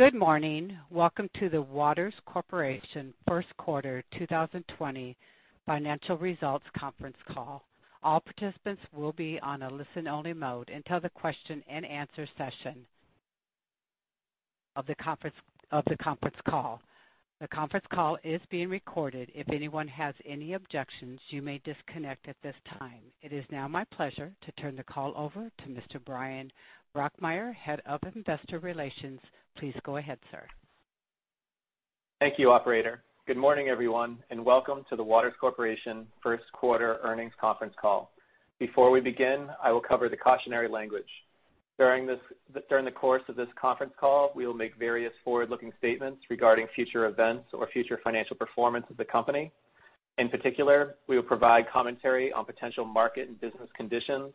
Good morning. Welcome to the Waters First Quarter 2020 Financial Results Conference Call. All participants will be on a listen-only mode until the question-and-answer session of the conference call. The conference call is being recorded. If anyone has any objections, you may disconnect at this time. It is now my pleasure to turn the call over to Mr. Bryan Brockmeier, Head of Investor Relations. Please go ahead, sir. Thank you, Operator. Good morning, everyone, and welcome to the Waters first quarter earnings conference call. Before we begin, I will cover the cautionary language. During the course of this conference call, we will make various forward-looking statements regarding future events or future financial performance of the company. In particular, we will provide commentary on potential market and business conditions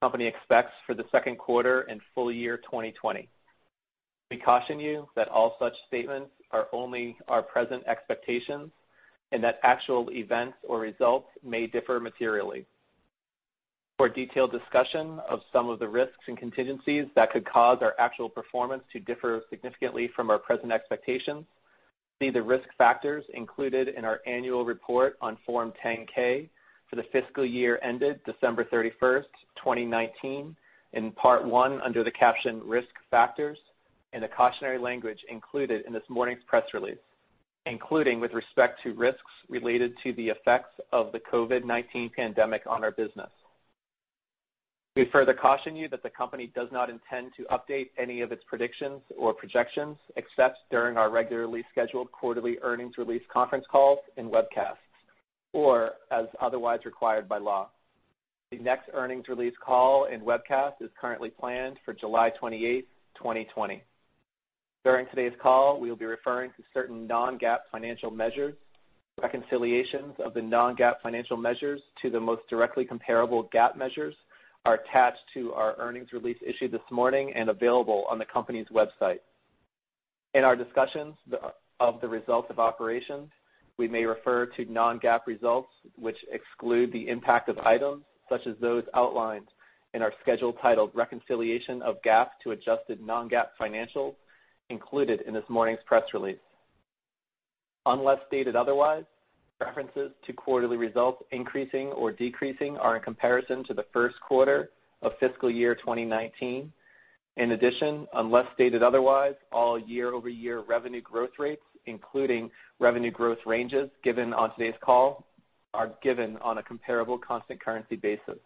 the company expects for the Second Quarter and full year 2020. We caution you that all such statements are only our present expectations and that actual events or results may differ materially. For detailed discussion of some of the risks and contingencies that could cause our actual performance to differ significantly from our present expectations, see the risk factors included in our annual report on Form 10-K for the fiscal year ended December 31st, 2019, in Part 1 under the caption Risk Factors, and the cautionary language included in this morning's press release, including with respect to risks related to the effects of the COVID-19 pandemic on our business. We further caution you that the company does not intend to update any of its predictions or projections except during our regularly scheduled quarterly earnings release conference calls and webcasts, or as otherwise required by law. The next earnings release call and webcast is currently planned for July 28th, 2020. During today's call, we will be referring to certain Non-GAAP financial measures. Reconciliations of the non-GAAP financial measures to the most directly comparable GAAP measures are attached to our earnings release issued this morning and available on the company's website. In our discussions of the results of operations, we may refer to non-GAAP results, which exclude the impact of items such as those outlined in our schedule titled Reconciliation of GAAP to Adjusted Non-GAAP Financials, included in this morning's press release. Unless stated otherwise, references to quarterly results increasing or decreasing are in comparison to first quarter of fiscal year 2019. In addition, unless stated otherwise, all year-over-year revenue growth rates, including revenue growth ranges given on today's call, are given on a comparable constant currency basis.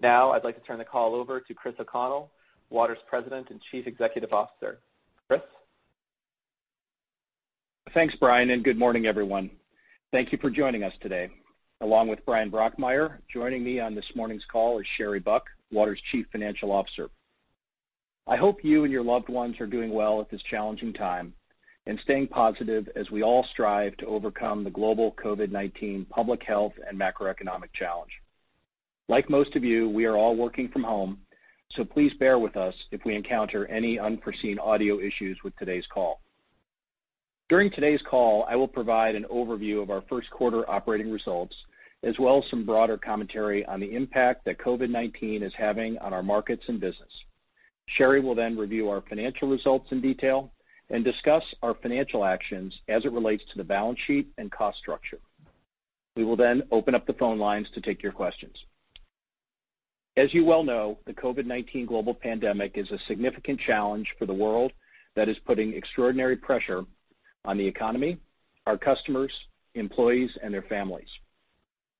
Now, I'd like to turn the call over to Chris O'Connell, Waters President and Chief Executive Officer. Chris. Thanks, Bryan, and good morning, everyone. Thank you for joining us today. Along with Bryan Brokmeier, joining me on this morning's call is Sherry Buck, Waters' Chief Financial Officer. I hope you and your loved ones are doing well at this challenging time and staying positive as we all strive to overcome the global COVID-19 public health and macroeconomic challenge. Like most of you, we are all working from home, so please bear with us if we encounter any unforeseen audio issues with today's call. During today's call, I will provide an overview of first quarter operating results, as well as some broader commentary on the impact that COVID-19 is having on our markets and business. Sherry will then review our financial results in detail and discuss our financial actions as it relates to the balance sheet and cost structure. We will then open up the phone lines to take your questions. As you well know, the COVID-19 global pandemic is a significant challenge for the world that is putting extraordinary pressure on the economy, our customers, employees, and their families.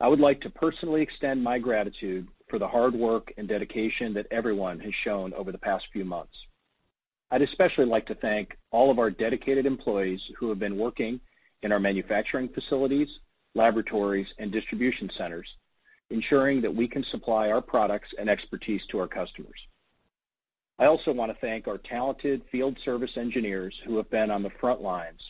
I would like to personally extend my gratitude for the hard work and dedication that everyone has shown over the past few months. I'd especially like to thank all of our dedicated employees who have been working in our manufacturing facilities, laboratories, and distribution centers, ensuring that we can supply our products and expertise to our customers. I also want to thank our talented field service engineers who have been on the front lines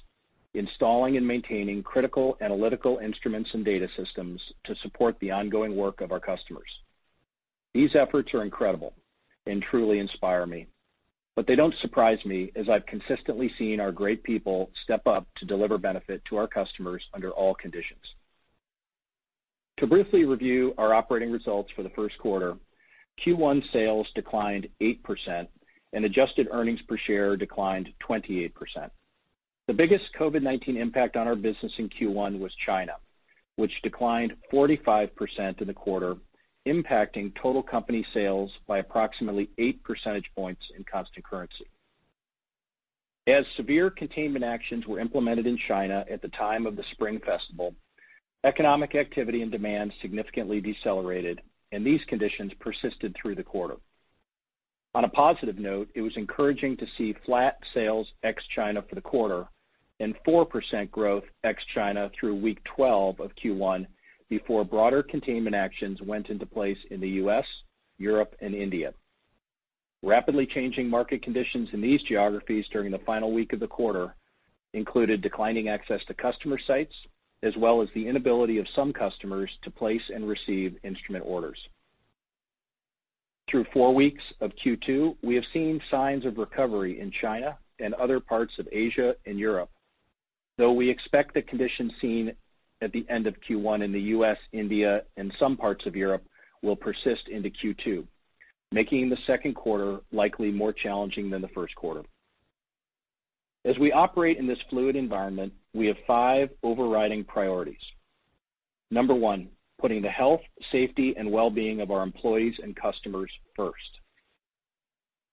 installing and maintaining critical analytical instruments and data systems to support the ongoing work of our customers. These efforts are incredible and truly inspire me, but they don't surprise me as I've consistently seen our great people step up to deliver benefit to our customers under all conditions. To briefly review our operating results for first quarter, q1 sales declined 8% and adjusted earnings per share declined 28%. The biggest COVID-19 impact on our business in Q1 was China, which declined 45% in the quarter, impacting total company sales by approximately 8 percentage points in constant currency. As severe containment actions were implemented in China at the time of the Spring Festival, economic activity and demand significantly decelerated, and these conditions persisted through the quarter. On a positive note, it was encouraging to see flat sales ex-China for the quarter and 4% growth ex-China through week 12 of Q1 before broader containment actions went into place in the US, Europe, and India. Rapidly changing market conditions in these geographies during the final week of the quarter included declining access to customer sites, as well as the inability of some customers to place and receive instrument orders. Through four weeks of Q2, we have seen signs of recovery in China and other parts of Asia and Europe, though we expect the conditions seen at the end of Q1 in the U.S., India, and some parts of Europe will persist into Q2, making the second quarter likely more challenging than first quarter. as we operate in this fluid environment, we have five overriding priorities. Number one, putting the health, safety, and well-being of our employees and customers first.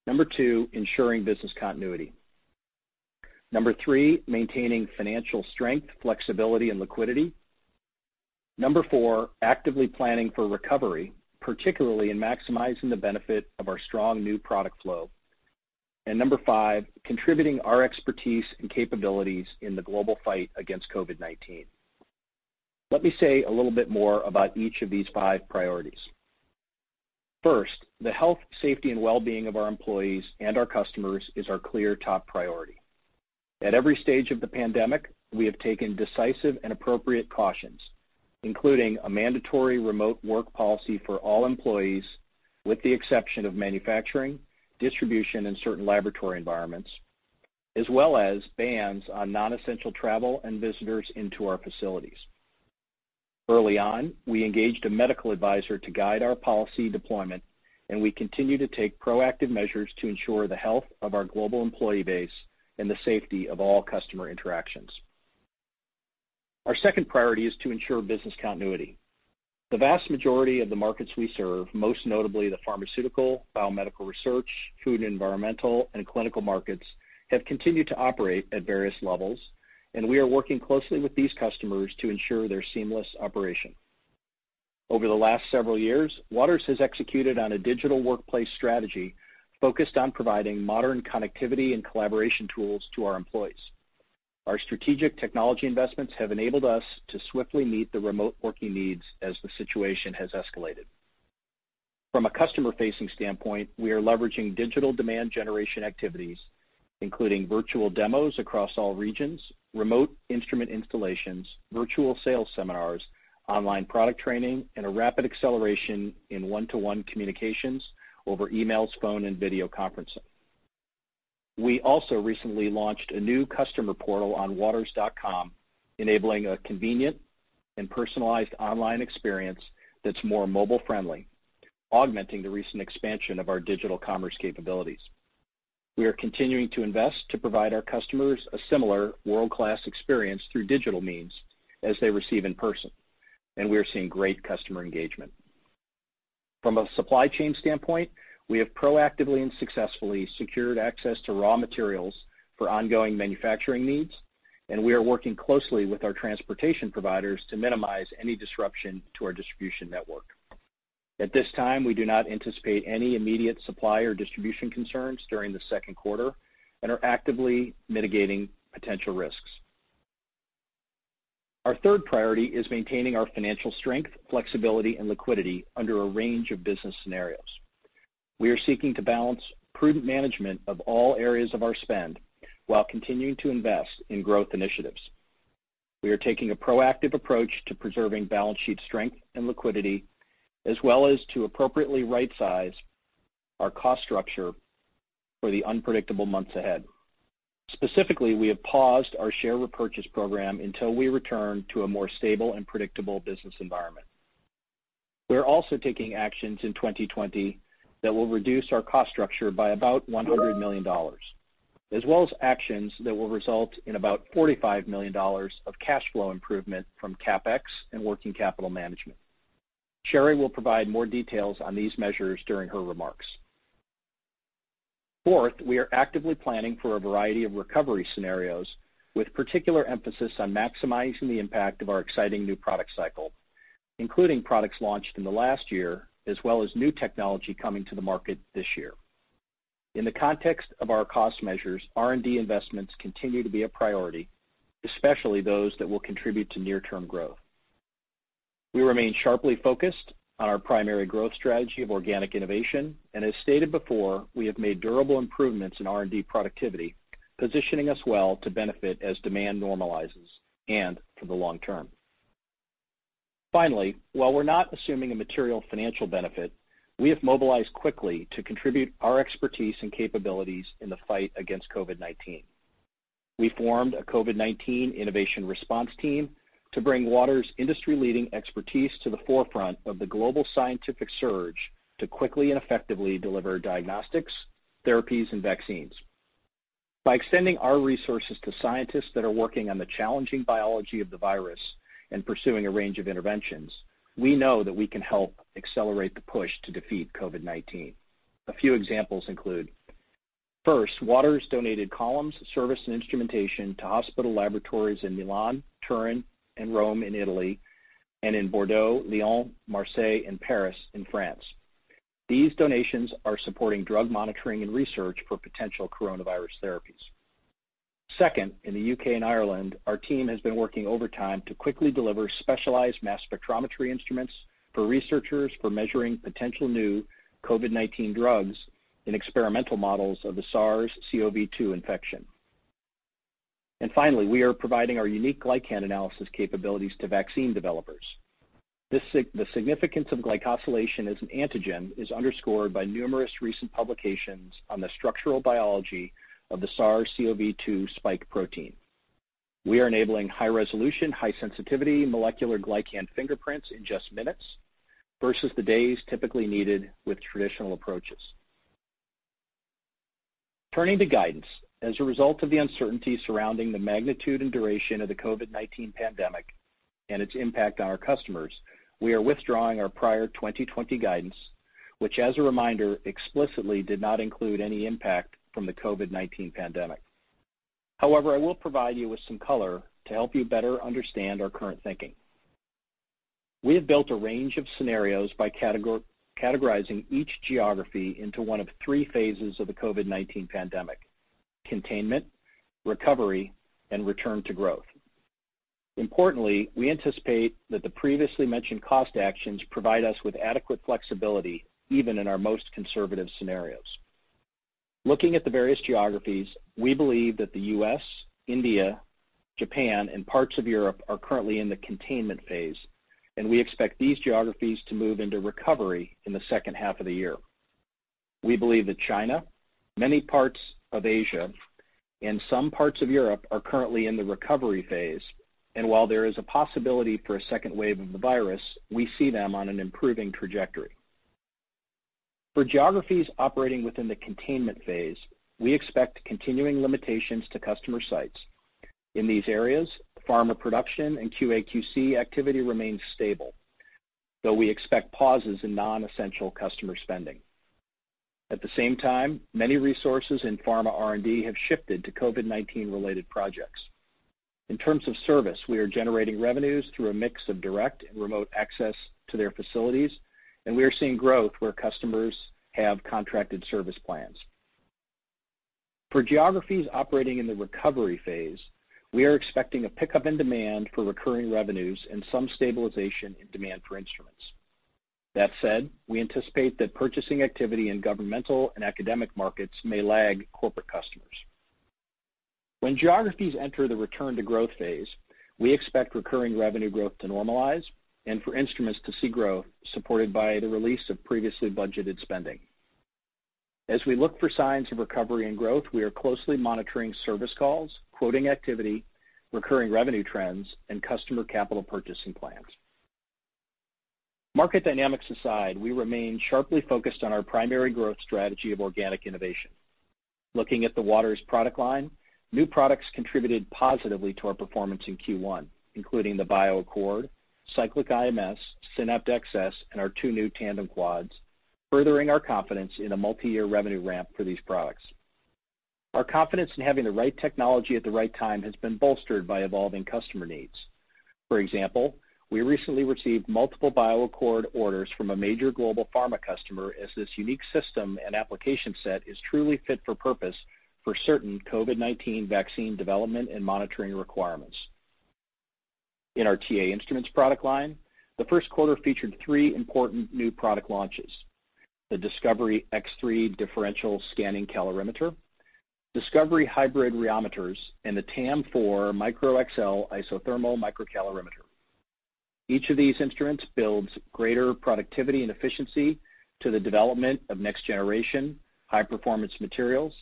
Number two, ensuring business continuity. Number three, maintaining financial strength, flexibility, and liquidity. Number four, actively planning for recovery, particularly in maximizing the benefit of our strong new product flow. Number five, contributing our expertise and capabilities in the global fight against COVID-19. Let me say a little bit more about each of these five priorities. First, the health, safety, and well-being of our employees and our customers is our clear top priority. At every stage of the pandemic, we have taken decisive and appropriate actions, including a mandatory remote work policy for all employees, with the exception of manufacturing, distribution, and certain laboratory environments, as well as bans on nonessential travel and visitors into our facilities. Early on, we engaged a medical advisor to guide our policy deployment, and we continue to take proactive measures to ensure the health of our global employee base and the safety of all customer interactions. Our second priority is to ensure business continuity. The vast majority of the markets we serve, most notably the pharmaceutical, biomedical research, food and environmental, and clinical markets, have continued to operate at various levels, and we are working closely with these customers to ensure their seamless operation. Over the last several years, Waters has executed on a digital workplace strategy focused on providing modern connectivity and collaboration tools to our employees. Our strategic technology investments have enabled us to swiftly meet the remote working needs as the situation has escalated. From a customer-facing standpoint, we are leveraging digital demand generation activities, including virtual demos across all regions, remote instrument installations, virtual sales seminars, online product training, and a rapid acceleration in one-to-one communications over emails, phone, and video conferencing. We also recently launched a new customer portal on waters.com, enabling a convenient and personalized online experience that's more mobile-friendly, augmenting the recent expansion of our digital commerce capabilities. We are continuing to invest to provide our customers a similar world-class experience through digital means as they receive in person, and we are seeing great customer engagement. From a supply chain standpoint, we have proactively and successfully secured access to raw materials for ongoing manufacturing needs, and we are working closely with our transportation providers to minimize any disruption to our distribution network. At this time, we do not anticipate any immediate supply or distribution concerns during the second quarter and are actively mitigating potential risks. Our third priority is maintaining our financial strength, flexibility, and liquidity under a range of business scenarios. We are seeking to balance prudent management of all areas of our spend while continuing to invest in growth initiatives. We are taking a proactive approach to preserving balance sheet strength and liquidity, as well as to appropriately right-size our cost structure for the unpredictable months ahead. Specifically, we have paused our share repurchase program until we return to a more stable and predictable business environment. We're also taking actions in 2020 that will reduce our cost structure by about $100 million, as well as actions that will result in about $45 million of cash flow improvement from CapEx and working capital management. Sherry will provide more details on these measures during her remarks. Fourth, we are actively planning for a variety of recovery scenarios, with particular emphasis on maximizing the impact of our exciting new product cycle, including products launched in the last year, as well as new technology coming to the market this year. In the context of our cost measures, R&D investments continue to be a priority, especially those that will contribute to near-term growth. We remain sharply focused on our primary growth strategy of organic innovation, and as stated before, we have made durable improvements in R&D productivity, positioning us well to benefit as demand normalizes and for the long term. Finally, while we're not assuming a material financial benefit, we have mobilized quickly to contribute our expertise and capabilities in the fight against COVID-19. We formed a COVID-19 innovation response team to bring Waters' industry-leading expertise to the forefront of the global scientific surge to quickly and effectively deliver diagnostics, therapies, and vaccines. By extending our resources to scientists that are working on the challenging biology of the virus and pursuing a range of interventions, we know that we can help accelerate the push to defeat COVID-19. A few examples include: first, Waters donated columns, service, and instrumentation to hospital laboratories in Milan, Turin, and Rome in Italy, and in Bordeaux, Lyon, Marseille, and Paris in France. These donations are supporting drug monitoring and research for potential coronavirus therapies. Second, in the UK and Ireland, our team has been working overtime to quickly deliver specialized mass spectrometry instruments for researchers for measuring potential new COVID-19 drugs in experimental models of the SARS-CoV-2 infection. And finally, we are providing our unique glycan analysis capabilities to vaccine developers. The significance of glycosylation as an antigen is underscored by numerous recent publications on the structural biology of the SARS-CoV-2 spike protein. We are enabling high-resolution, high-sensitivity molecular glycan fingerprints in just minutes versus the days typically needed with traditional approaches. Turning to guidance, as a result of the uncertainty surrounding the magnitude and duration of the COVID-19 pandemic and its impact on our customers, we are withdrawing our prior 2020 guidance, which, as a reminder, explicitly did not include any impact from the COVID-19 pandemic. However, I will provide you with some color to help you better understand our current thinking. We have built a range of scenarios by categorizing each geography into one of three phases of the COVID-19 pandemic: containment, recovery, and return to growth. Importantly, we anticipate that the previously mentioned cost actions provide us with adequate flexibility even in our most conservative scenarios. Looking at the various geographies, we believe that the U.S., India, Japan, and parts of Europe are currently in the containment phase, and we expect these geographies to move into recovery in the second half of the year. We believe that China, many parts of Asia, and some parts of Europe are currently in the recovery phase, and while there is a possibility for a second wave of the virus, we see them on an improving trajectory. For geographies operating within the containment phase, we expect continuing limitations to customer sites. In these areas, pharma production and QA/QC activity remain stable, though we expect pauses in nonessential customer spending. At the same time, many resources in pharma R&D have shifted to COVID-19-related projects. In terms of service, we are generating revenues through a mix of direct and remote access to their facilities, and we are seeing growth where customers have contracted service plans. For geographies operating in the recovery phase, we are expecting a pickup in demand for recurring revenues and some stabilization in demand for instruments. That said, we anticipate that purchasing activity in governmental and academic markets may lag corporate customers. When geographies enter the return to growth phase, we expect recurring revenue growth to normalize and for instruments to see growth supported by the release of previously budgeted spending. As we look for signs of recovery and growth, we are closely monitoring service calls, quoting activity, recurring revenue trends, and customer capital purchasing plans. Market dynamics aside, we remain sharply focused on our primary growth strategy of organic innovation. Looking at the Waters product line, new products contributed positively to our performance in Q1, including the BioAccord, Cyclic IMS, SYNAPT XS, and our two new tandem quads, furthering our confidence in a multi-year revenue ramp for these products. Our confidence in having the right technology at the right time has been bolstered by evolving customer needs. For example, we recently received multiple BioAccord orders from a major global pharma customer as this unique system and application set is truly fit for purpose for certain COVID-19 vaccine development and monitoring requirements. In our TA Instruments product line, first quarter featured three important new product launches: the Discovery X3 differential scanning calorimeter, Discovery Hybrid Rheometers, and the TAM IV Micro XL isothermal microcalorimeter. Each of these instruments builds greater productivity and efficiency to the development of next-generation high-performance materials,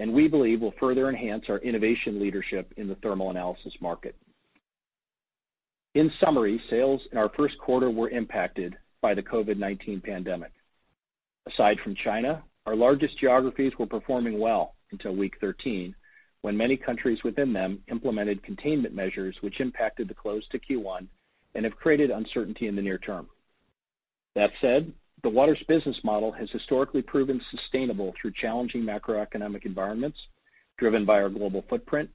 and we believe will further enhance our innovation leadership in the thermal analysis market. In summary, sales in first quarter were impacted by the COVID-19 pandemic. Aside from China, our largest geographies were performing well until week 13, when many countries within them implemented containment measures, which impacted the close to Q1 and have created uncertainty in the near term. That said, the Waters business model has historically proven sustainable through challenging macroeconomic environments driven by our global footprint,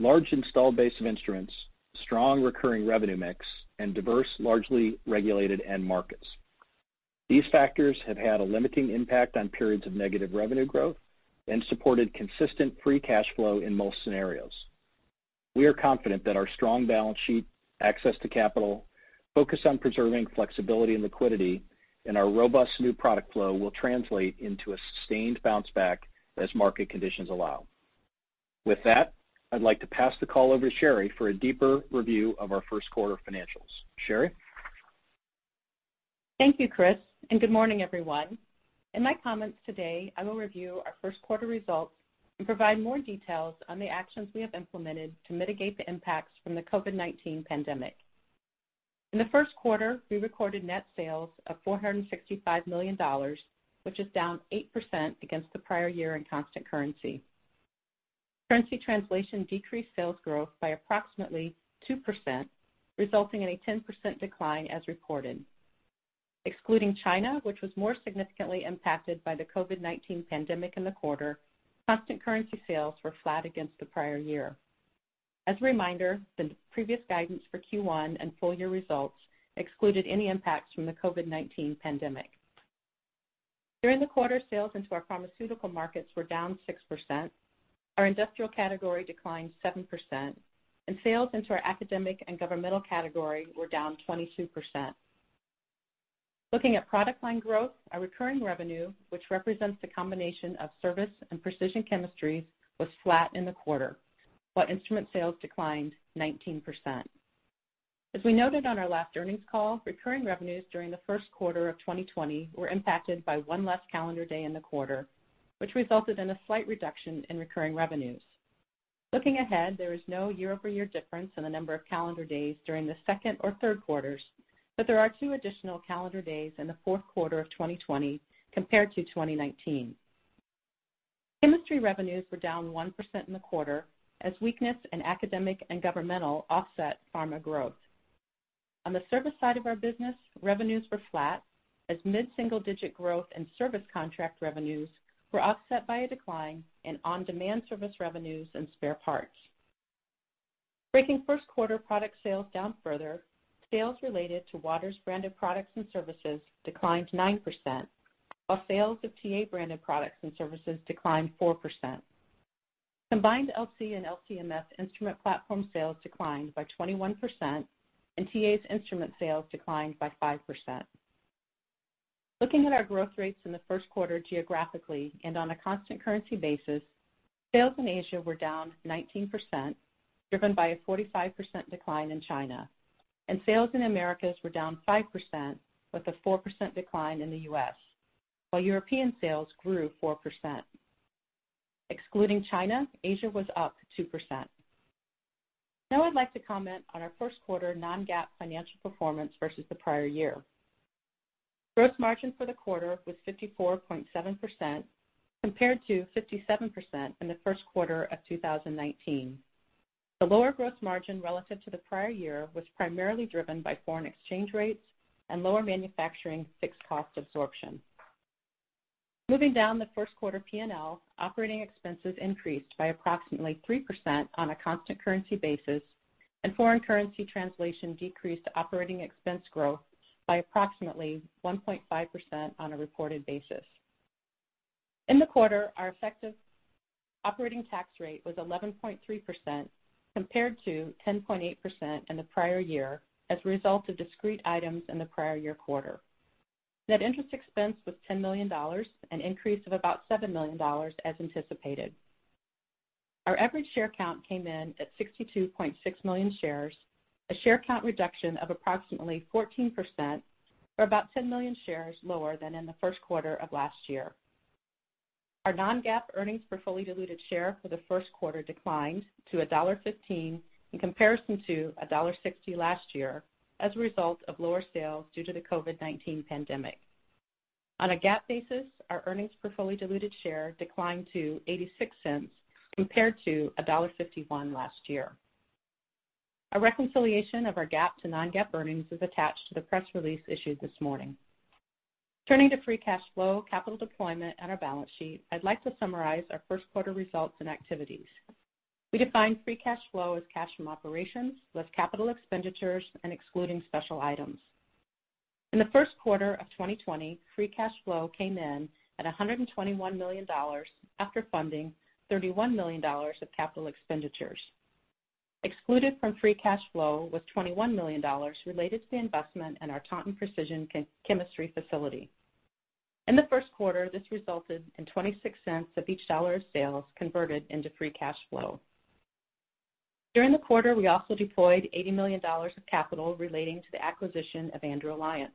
large installed base of instruments, strong recurring revenue mix, and diverse largely regulated end markets. These factors have had a limiting impact on periods of negative revenue growth and supported consistent free cash flow in most scenarios. We are confident that our strong balance sheet, access to capital, focus on preserving flexibility and liquidity, and our robust new product flow will translate into a sustained bounce back as market conditions allow. With that, I'd like to pass the call over to Sherry for a deeper review of first quarter financials. Sherry? Thank you, Chris, and good morning, everyone. In my comments today, I will review first quarter results and provide more details on the actions we have implemented to mitigate the impacts from the COVID-19 pandemic. In first quarter, we recorded net sales of $465 million, which is down 8% against the prior year in constant currency. Currency translation decreased sales growth by approximately 2%, resulting in a 10% decline as reported. Excluding China, which was more significantly impacted by the COVID-19 pandemic in the quarter, constant currency sales were flat against the prior year. As a reminder, the previous guidance for Q1 and full-year results excluded any impacts from the COVID-19 pandemic. During the quarter, sales into our pharmaceutical markets were down 6%, our industrial category declined 7%, and sales into our academic and governmental category were down 22%. Looking at product line growth, our recurring revenue, which represents the combination of service and precision chemistries, was flat in the quarter, while instrument sales declined 19%. As we noted on our last earnings call, recurring revenues during first quarter of 2020 were impacted by one less calendar day in the quarter, which resulted in a slight reduction in recurring revenues. Looking ahead, there is no year-over-year difference in the number of calendar days during the second or third quarters, but there are two additional calendar days in the fourth quarter of 2020 compared to 2019. Chemistry revenues were down 1% in the quarter as weakness in academic and governmental offset pharma growth. On the service side of our business, revenues were flat as mid-single-digit growth in service contract revenues were offset by a decline in on-demand service revenues and spare parts. First Quarter product sales down further, sales related to Waters branded products and services declined 9%, while sales of TA branded products and services declined 4%. Combined LC and LC-MS instrument platform sales declined by 21%, and TA's instrument sales declined by 5%. Looking at our growth rates in first quarter geographically and on a constant currency basis, sales in Asia were down 19%, driven by a 45% decline in China, and sales in the Americas were down 5%, with a 4% decline in the US, while European sales grew 4%. Excluding China, Asia was up 2%. Now I'd like to comment on first quarter Non-GAAP financial performance versus the prior year. Gross margin for the quarter was 54.7% compared to 57% in first quarter of 2019. The lower gross margin relative to the prior year was primarily driven by foreign exchange rates and lower manufacturing fixed cost absorption. Moving down first quarter p&l, operating expenses increased by approximately 3% on a constant currency basis, and foreign currency translation decreased operating expense growth by approximately 1.5% on a reported basis. In the quarter, our effective operating tax rate was 11.3% compared to 10.8% in the prior year as a result of discrete items in the prior year quarter. Net interest expense was $10 million and an increase of about $7 million as anticipated. Our average share count came in at 62.6 million shares, a share count reduction of approximately 14%, for about 10 million shares lower than in first quarter of last year. Our non-GAAP earnings per fully diluted share for first quarter declined to $1.15 in comparison to $1.60 last year as a result of lower sales due to the COVID-19 pandemic. On a GAAP basis, our earnings per fully diluted share declined to $0.86 compared to $1.51 last year. Our reconciliation of our GAAP to non-GAAP earnings is attached to the press release issued this morning. Turning to free cash flow, capital deployment, and our balance sheet, I'd like to summarize first quarter results and activities. We defined free cash flow as cash from operations less capital expenditures and excluding special items. In first quarter of 2020, free cash flow came in at $121 million after funding $31 million of capital expenditures. Excluded from free cash flow was $21 million related to the investment in our Taunton Precision Chemistry Facility. In first quarter, this resulted in $0.26 of each dollar of sales converted into free cash flow. During the quarter, we also deployed $80 million of capital relating to the acquisition of Andrew Alliance.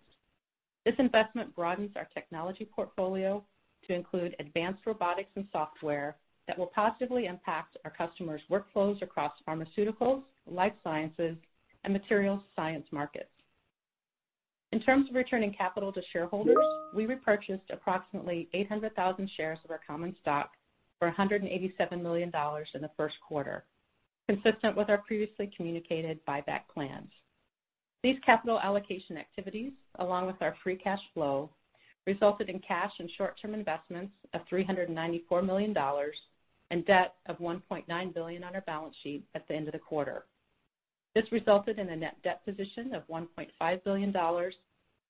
This investment broadens our technology portfolio to include advanced robotics and software that will positively impact our customers' workflows across pharmaceuticals, life sciences, and materials science markets. In terms of returning capital to shareholders, we repurchased approximately 800,000 shares of our common stock for $187 million in first quarter, consistent with our previously communicated buyback plans. These capital allocation activities, along with our free cash flow, resulted in cash and short-term investments of $394 million and debt of $1.9 billion on our balance sheet at the end of the quarter. This resulted in a net debt position of $1.5 billion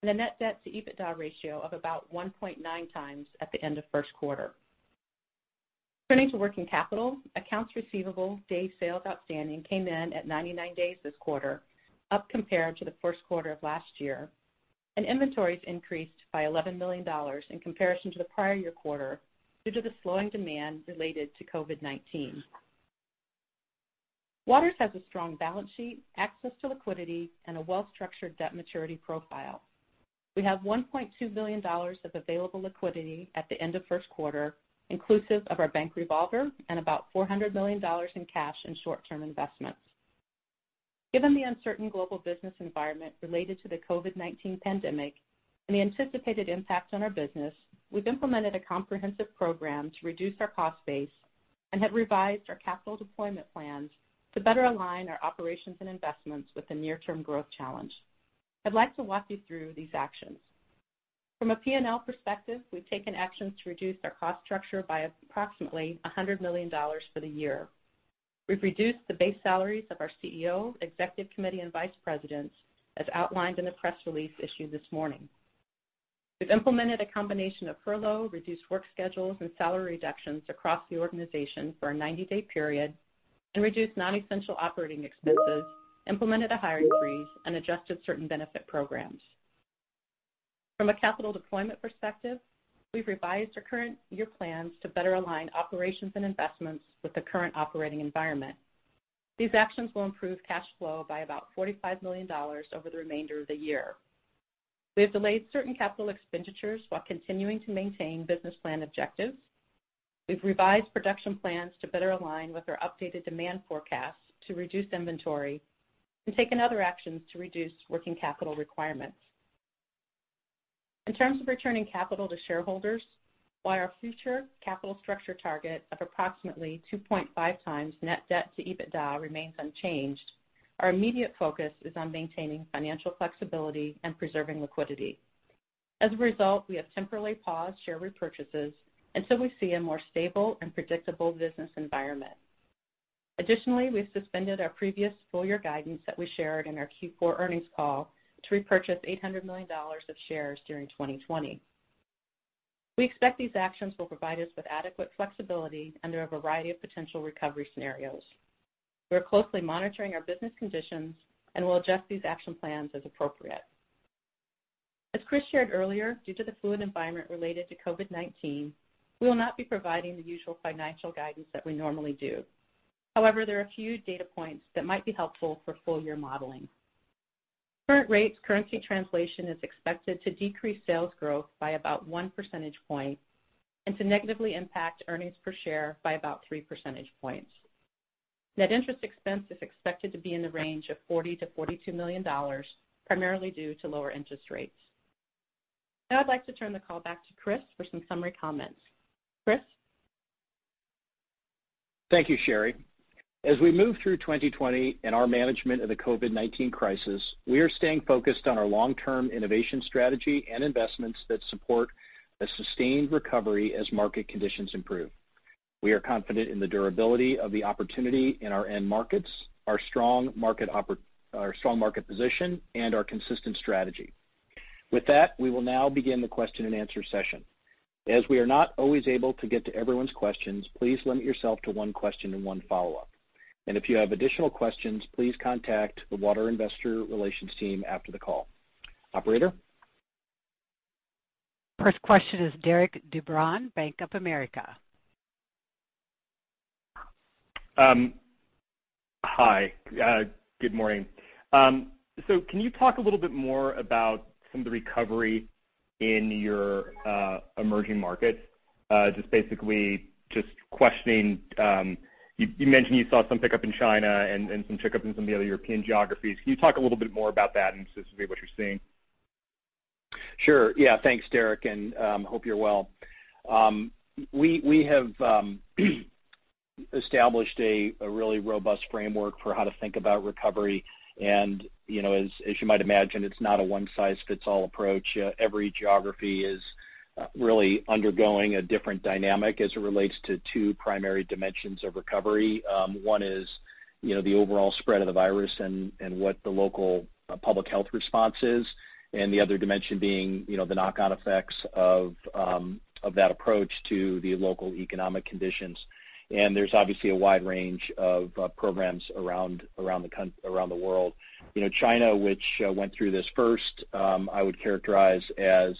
and a Net Debt-To-EBITDA ratio of about 1.9 times at the end first quarter. turning to working capital, accounts receivable day sales outstanding came in at 99 days this quarter, up compared to first quarter of last year, and inventories increased by $11 million in comparison to the prior year quarter due to the slowing demand related to COVID-19. Waters has a strong balance sheet, access to liquidity, and a well-structured debt maturity profile. We have $1.2 million of available liquidity at the end first quarter, inclusive of our bank revolver, and about $400 million in cash and short-term investments. Given the uncertain global business environment related to the COVID-19 pandemic and the anticipated impact on our business, we've implemented a comprehensive program to reduce our cost base and have revised our capital deployment plans to better align our operations and investments with the near-term growth challenge. I'd like to walk you through these actions. From a P&L perspective, we've taken actions to reduce our cost structure by approximately $100 million for the year. We've reduced the base salaries of our CEO, executive committee, and vice presidents as outlined in the press release issued this morning. We've implemented a combination of furlough, reduced work schedules, and salary reductions across the organization for a 90-day period and reduced non-essential operating expenses, implemented a hiring freeze, and adjusted certain benefit programs. From a capital deployment perspective, we've revised our current year plans to better align operations and investments with the current operating environment. These actions will improve cash flow by about $45 million over the remainder of the year. We have delayed certain capital expenditures while continuing to maintain business plan objectives. We've revised production plans to better align with our updated demand forecasts to reduce inventory and taken other actions to reduce working capital requirements. In terms of returning capital to shareholders, while our future capital structure target of approximately 2.5 times Net Debt-To-EBITDA remains unchanged, our immediate focus is on maintaining financial flexibility and preserving liquidity. As a result, we have temporarily paused share repurchases until we see a more stable and predictable business environment. Additionally, we have suspended our previous full-year guidance that we shared in our Q4 earnings call to repurchase $800 million of shares during 2020. We expect these actions will provide us with adequate flexibility under a variety of potential recovery scenarios. We are closely monitoring our business conditions and will adjust these action plans as appropriate. As Chris shared earlier, due to the fluid environment related to COVID-19, we will not be providing the usual financial guidance that we normally do. However, there are a few data points that might be helpful for full-year modeling. Current rates currency translation is expected to decrease sales growth by about one percentage point and to negatively impact earnings per share by about three percentage points. Net interest expense is expected to be in the range of $40-$42 million, primarily due to lower interest rates. Now I'd like to turn the call back to Chris for some summary comments. Chris? Thank you, Sherry. As we move through 2020 and our management of the COVID-19 crisis, we are staying focused on our long-term innovation strategy and investments that support a sustained recovery as market conditions improve. We are confident in the durability of the opportunity in our end markets, our strong market position, and our consistent strategy. With that, we will now begin the question and answer session. As we are not always able to get to everyone's questions, please limit yourself to one question and one follow-up. And if you have additional questions, please contact the Waters Investor Relations team after the call. Operator? First question is Derik de Bruin, Bank of America. Hi. Good morning. So can you talk a little bit more about some of the recovery in your emerging markets? Just basically just questioning: you mentioned you saw some pickup in China and some pickup in some of the other European geographies. Can you talk a little bit more about that and specifically what you're seeing? Sure. Yeah. Thanks, Derik, and hope you're well. We have established a really robust framework for how to think about recovery. And as you might imagine, it's not a one-size-fits-all approach. Every geography is really undergoing a different dynamic as it relates to two primary dimensions of recovery. One is the overall spread of the virus and what the local public health response is, and the other dimension being the knock-on effects of that approach to the local economic conditions. And there's obviously a wide range of programs around the world. China, which went through this first, I would characterize as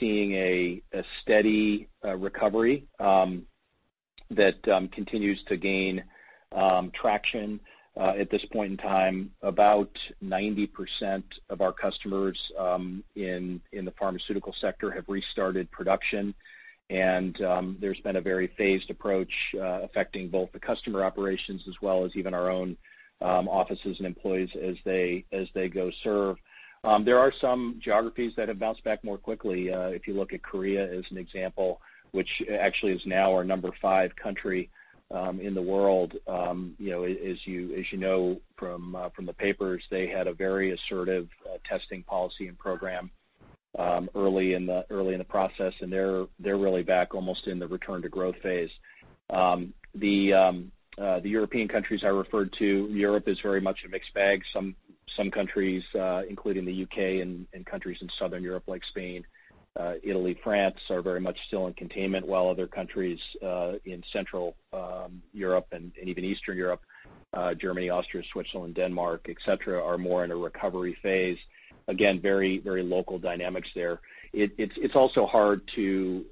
seeing a steady recovery that continues to gain traction. At this point in time, about 90% of our customers in the pharmaceutical sector have restarted production, and there's been a very phased approach affecting both the customer operations as well as even our own offices and employees as they go serve. There are some geographies that have bounced back more quickly. If you look at Korea as an example, which actually is now our number five country in the world, as you know from the papers, they had a very assertive testing policy and program early in the process, and they're really back almost in the return-to-growth phase. The European countries I referred to, Europe is very much a mixed bag. Some countries, including the UK and countries in Southern Europe like Spain, Italy, France are very much still in containment, while other countries in Central Europe and even Eastern Europe, Germany, Austria, Switzerland, Denmark, etc., are more in a recovery phase. Again, very, very local dynamics there. It's also hard to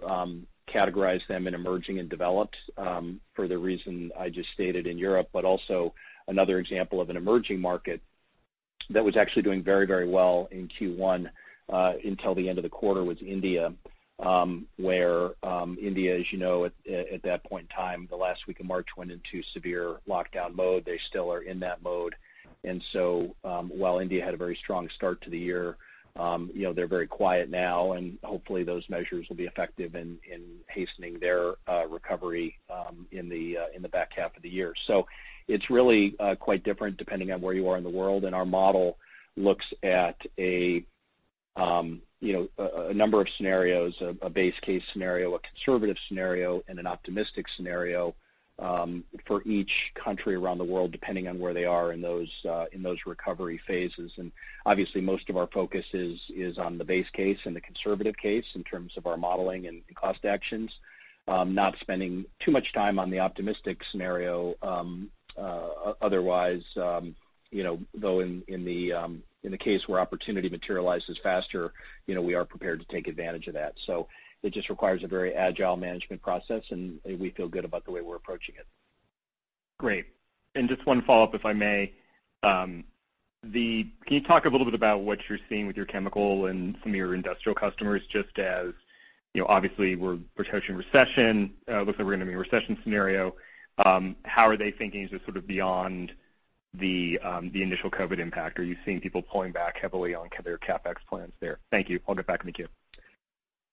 categorize them in emerging and developed for the reason I just stated in Europe, but also another example of an emerging market that was actually doing very, very well in Q1 until the end of the quarter was India, where India, as you know, at that point in time, the last week of March went into severe lockdown mode. They still are in that mode. And so while India had a very strong start to the year, they're very quiet now, and hopefully those measures will be effective in hastening their recovery in the back half of the year. So it's really quite different depending on where you are in the world, and our model looks at a number of scenarios: a base case scenario, a conservative scenario, and an optimistic scenario for each country around the world depending on where they are in those recovery phases. And obviously, most of our focus is on the base case and the conservative case in terms of our modeling and cost actions, not spending too much time on the optimistic scenario. Otherwise, though, in the case where opportunity materializes faster, we are prepared to take advantage of that. So it just requires a very agile management process, and we feel good about the way we're approaching it. Great. And just one follow-up, if I may. Can you talk a little bit about what you're seeing with your chemical and some of your industrial customers? Just as obviously, we're approaching recession. It looks like we're going to be in a recession scenario. How are they thinking just sort of beyond the initial COVID impact? Are you seeing people pulling back heavily on their CapEx plans there? Thank you. I'll get back on the queue.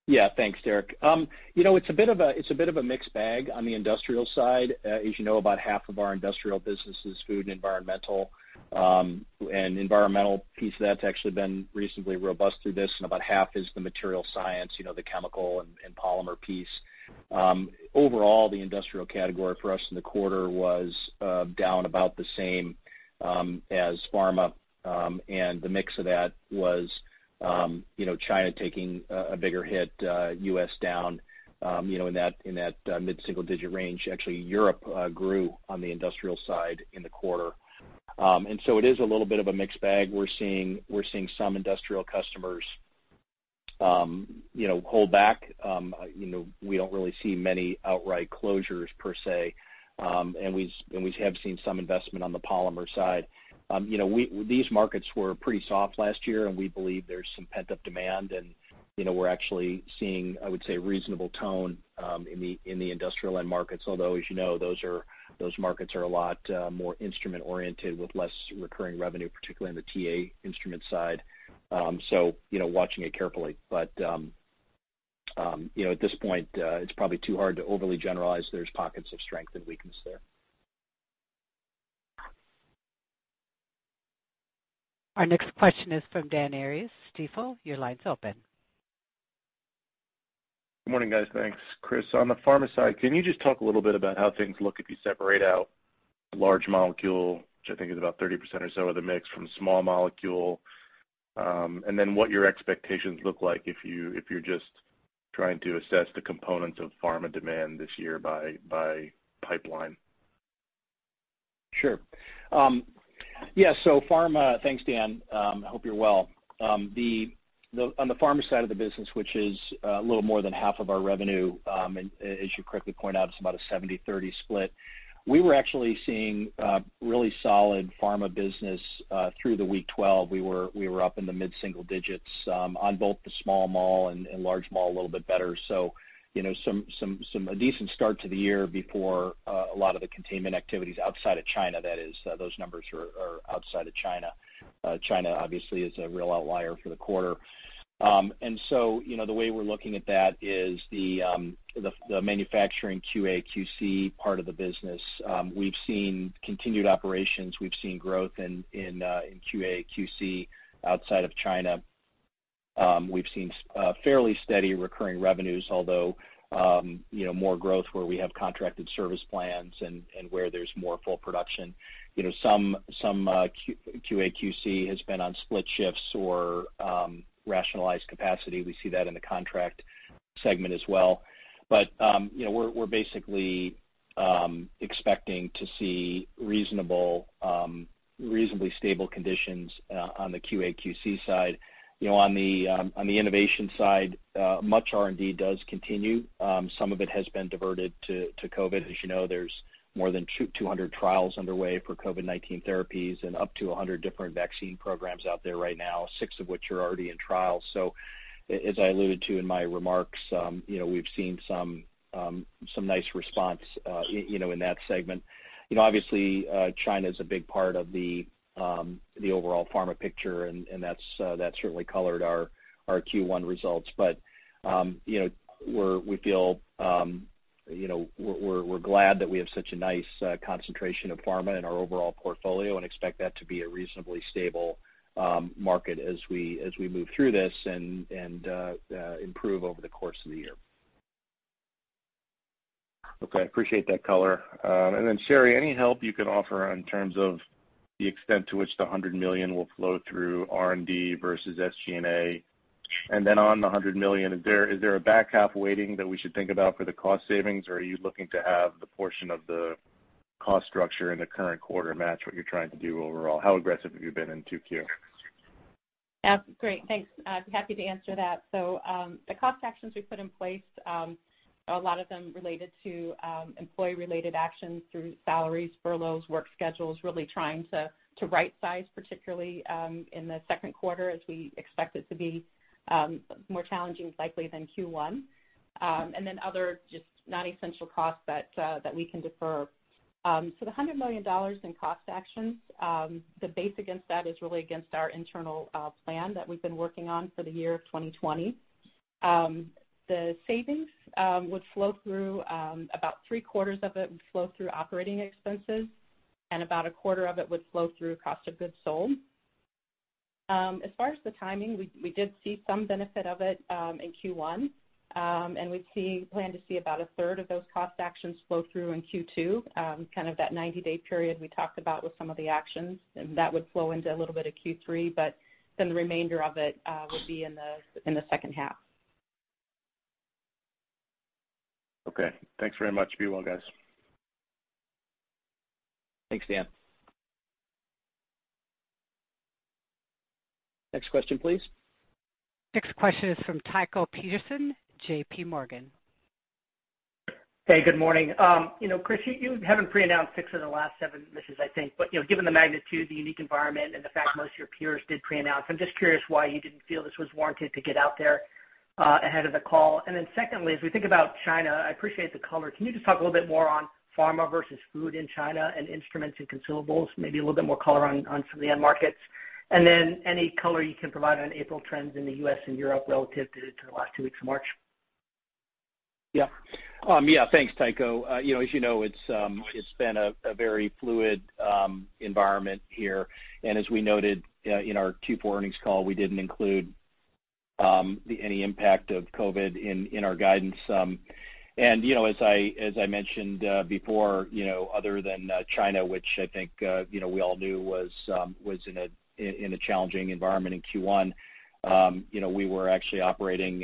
Yeah. Thanks, Derik. It's a bit of a mixed bag on the industrial side. As you know, about half of our industrial business is food and environmental. And the environmental piece of that's actually been reasonably robust through this, and about half is the material science, the chemical and polymer piece. Overall, the industrial category for us in the quarter was down about the same as pharma, and the mix of that was China taking a bigger hit, U.S. down in that mid-single-digit range. Actually, Europe grew on the industrial side in the quarter. And so it is a little bit of a mixed bag. We're seeing some industrial customers hold back. We don't really see many outright closures per se, and we have seen some investment on the polymer side. These markets were pretty soft last year, and we believe there's some pent-up demand, and we're actually seeing, I would say, a reasonable tone in the industrial end markets. Although, as you know, those markets are a lot more instrument-oriented with less recurring revenue, particularly on the TA Instruments side. So watching it carefully. But at this point, it's probably too hard to overly generalize. There's pockets of strength and weakness there. Our next question is from Dan Arias at Stifel. Your line's open. Good morning, guys. Thanks, Chris. On the pharma side, can you just talk a little bit about how things look if you separate out large molecule, which I think is about 30% or so of the mix, from small molecule, and then what your expectations look like if you're just trying to assess the components of pharma demand this year by pipeline? Sure. Yeah. So, pharma, thanks, Dan. I hope you're well. On the pharma side of the business, which is a little more than half of our revenue, as you correctly point out, it's about a 70/30 split. We were actually seeing really solid pharma business through the week 12. We were up in the mid-single digits on both the small molecule and large molecule a little bit better. So some decent start to the year before a lot of the containment activities outside of China, that is, those numbers are outside of China. China, obviously, is a real outlier for the quarter, and so the way we're looking at that is the manufacturing QA/QC part of the business. We've seen continued operations. We've seen growth in QA/QC outside of China. We've seen fairly steady recurring revenues, although more growth where we have contracted service plans and where there's more full production. Some QA/QC has been on split shifts or rationalized capacity. We see that in the contract segment as well, but we're basically expecting to see reasonably stable conditions on the QA/QC side. On the innovation side, much R&D does continue. Some of it has been diverted to COVID. As you know, there's more than 200 trials underway for COVID-19 therapies and up to 100 different vaccine programs out there right now, six of which are already in trial. So as I alluded to in my remarks, we've seen some nice response in that segment. Obviously, China is a big part of the overall pharma picture, and that's certainly colored our Q1 results. But we feel we're glad that we have such a nice concentration of pharma in our overall portfolio and expect that to be a reasonably stable market as we move through this and improve over the course of the year. Okay. Appreciate that Connell. And then, Sherry, any help you can offer in terms of the extent to which the $100 million will flow through R&D versus SG&A? And then on the $100 million, is there a back half waiting that we should think about for the cost savings, or are you looking to have the portion of the cost structure in the current quarter match what you're trying to do overall? How aggressive have you been in Q2? Yeah. Great. Thanks. I'd be happy to answer that. So the cost actions we put in place, a lot of them related to employee-related actions through salaries, furloughs, work schedules, really trying to right-size, particularly in the second quarter as we expect it to be more challenging likely than Q1. And then other just non-essential costs that we can defer. So the $100 million in cost actions, the base against that is really against our internal plan that we've been working on for the year of 2020. The savings would flow through. About three-quarters of it would flow through operating expenses, and about a quarter of it would flow through cost of goods sold. As far as the timing, we did see some benefit of it in Q1, and we plan to see about a third of those cost actions flow through in Q2, kind of that 90-day period we talked about with some of the actions. And that would flow into a little bit of Q3, but then the remainder of it would be in the second half. Okay. Thanks very much. Be well, guys. Thanks, Dan. Next question, please. Next question is from Tycho Peterson, J.P. Morgan. Hey, good morning. Chris, you haven't pre-announced six of the last seven initiatives, I think. But given the magnitude, the unique environment, and the fact most of your peers did pre-announce, I'm just curious why you didn't feel this was warranted to get out there ahead of the call. And then secondly, as we think about China, I appreciate the color. Can you just talk a little bit more on pharma versus food in China and instruments and consumables? Maybe a little bit more color on some of the end markets. And then any color you can provide on April trends in the US and Europe relative to the last two weeks of March. Yeah. Yeah. Thanks, Tycho. As you know, it's been a very fluid environment here. And as we noted in our Q4 earnings call, we didn't include any impact of COVID in our guidance. And as I mentioned before, other than China, which I think we all knew was in a challenging environment in Q1, we were actually operating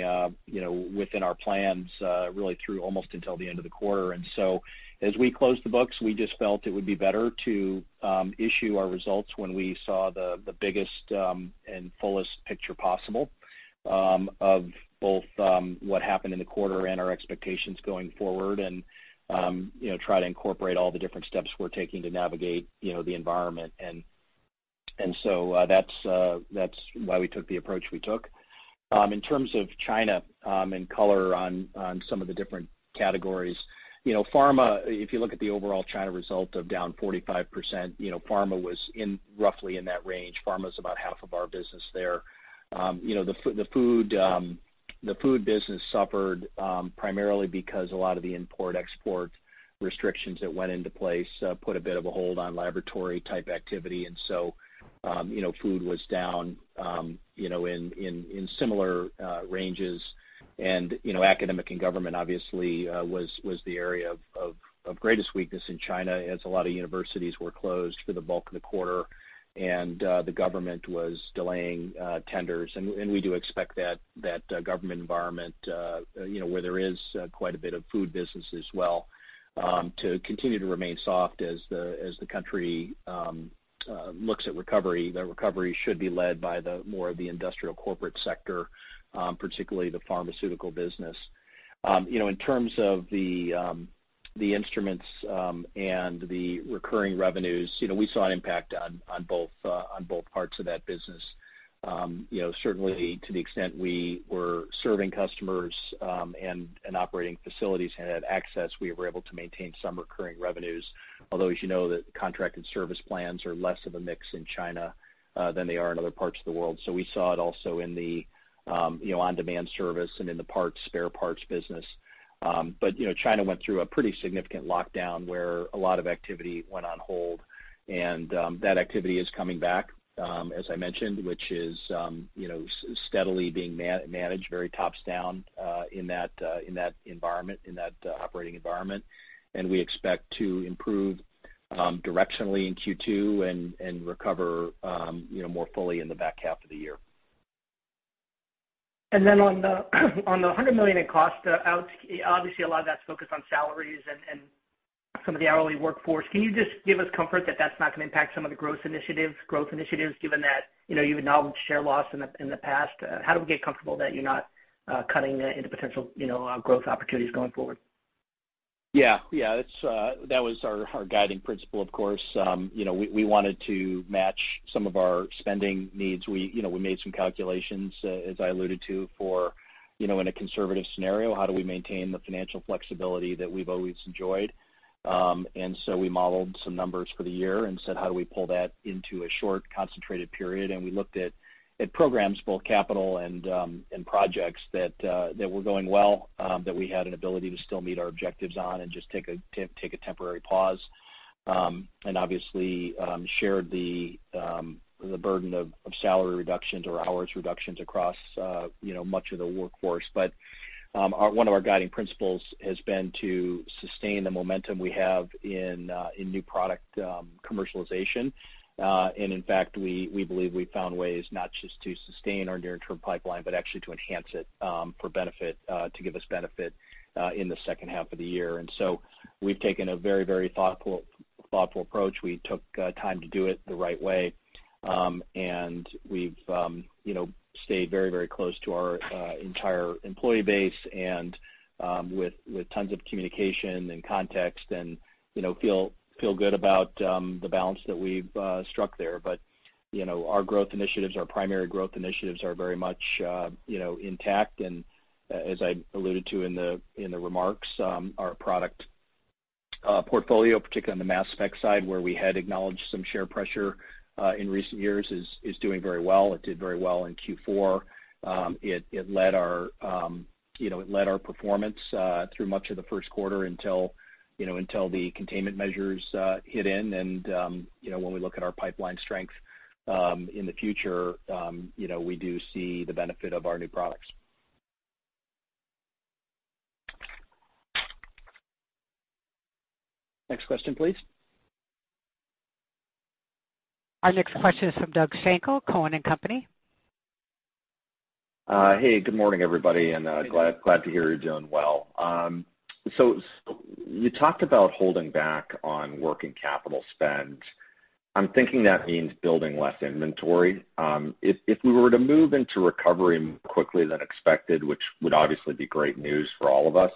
within our plans really through almost until the end of the quarter. And so as we closed the books, we just felt it would be better to issue our results when we saw the biggest and fullest picture possible of both what happened in the quarter and our expectations going forward and try to incorporate all the different steps we're taking to navigate the environment. And so that's why we took the approach we took. In terms of China and color on some of the different categories, pharma, if you look at the overall China result of down 45%, pharma was roughly in that range. Pharma is about half of our business there. The food business suffered primarily because a lot of the import-export restrictions that went into place put a bit of a hold on laboratory-type activity. And so food was down in similar ranges. Academic and government, obviously, was the area of greatest weakness in China as a lot of universities were closed for the bulk of the quarter, and the government was delaying tenders. We do expect that government environment, where there is quite a bit of food business as well, to continue to remain soft as the country looks at recovery. That recovery should be led by more of the industrial corporate sector, particularly the pharmaceutical business. In terms of the instruments and the recurring revenues, we saw an impact on both parts of that business. Certainly, to the extent we were serving customers and operating facilities and had access, we were able to maintain some recurring revenues. Although, as you know, the contracted service plans are less of a mix in China than they are in other parts of the world. So we saw it also in the on-demand service and in the spare parts business. But China went through a pretty significant lockdown where a lot of activity went on hold. And that activity is coming back, as I mentioned, which is steadily being managed, very top down in that environment, in that operating environment. And we expect to improve directionally in Q2 and recover more fully in the back half of the year. And then on the $100 million in cost, obviously, a lot of that's focused on salaries and some of the hourly workforce. Can you just give us comfort that that's not going to impact some of the growth initiatives, given that you've acknowledged share loss in the past? How do we get comfortable that you're not cutting into potential growth opportunities going forward? Yeah. Yeah. That was our guiding principle, of course. We wanted to match some of our spending needs. We made some calculations, as I alluded to, for in a conservative scenario, how do we maintain the financial flexibility that we've always enjoyed? And so we modeled some numbers for the year and said, "How do we pull that into a short concentrated period?" And we looked at programs, both capital and projects that were going well, that we had an ability to still meet our objectives on and just take a temporary pause. And obviously, shared the burden of salary reductions or hours reductions across much of the workforce. But one of our guiding principles has been to sustain the momentum we have in new product commercialization. In fact, we believe we found ways not just to sustain our near-term pipeline, but actually to enhance it for benefit, to give us benefit in the second half of the year. So we've taken a very, very thoughtful approach. We took time to do it the right way. We've stayed very, very close to our entire employee base and with tons of communication and context and feel good about the balance that we've struck there. Our growth initiatives, our primary growth initiatives are very much intact. As I alluded to in the remarks, our product portfolio, particularly on the mass spec side, where we had acknowledged some share pressure in recent years, is doing very well. It did very well in Q4. It led our performance through much of first quarter until the containment measures hit in. And when we look at our pipeline strength in the future, we do see the benefit of our new products. Next question, please. Our next question is from Doug Schenkel, Cowen and Company. Hey, good morning, everybody. And glad to hear you're doing well. So you talked about holding back on working capital spend. I'm thinking that means building less inventory. If we were to move into recovery more quickly than expected, which would obviously be great news for all of us,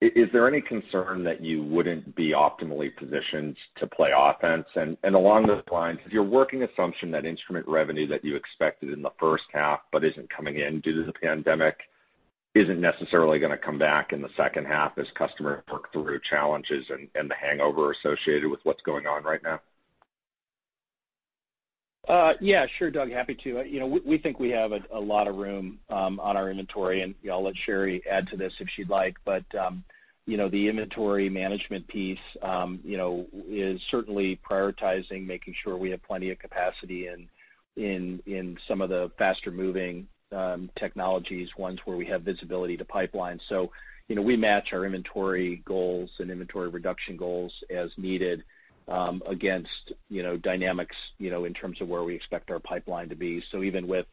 is there any concern that you wouldn't be optimally positioned to play offense? And along those lines, is your working assumption that instrument revenue that you expected in the first half but isn't coming in due to the pandemic isn't necessarily going to come back in the second half as customers work through challenges and the hangover associated with what's going on right now? Yeah. Sure, Doug. Happy to. We think we have a lot of room on our inventory. And I'll let Sherry add to this if she'd like. But the inventory management piece is certainly prioritizing, making sure we have plenty of capacity in some of the faster-moving technologies, ones where we have visibility to pipelines. So we match our inventory goals and inventory reduction goals as needed against dynamics in terms of where we expect our pipeline to be. So even with